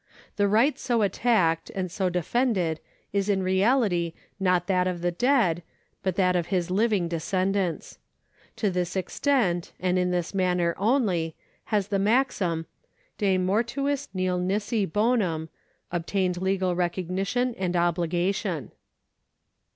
The right so attacked and so defended is in reality not that of the dead, but that of his living descendants. To this extent, and in this manner only, has the maxim De mor tuis nil nisi honum obtained legal recognition and obligation.